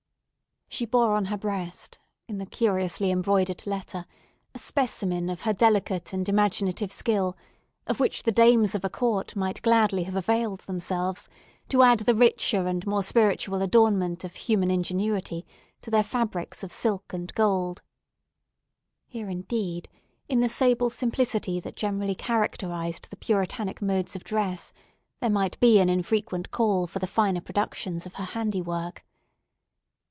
She bore on her breast, in the curiously embroidered letter, a specimen of her delicate and imaginative skill, of which the dames of a court might gladly have availed themselves, to add the richer and more spiritual adornment of human ingenuity to their fabrics of silk and gold. Here, indeed, in the sable simplicity that generally characterised the Puritanic modes of dress, there might be an infrequent call for the finer productions of her handiwork.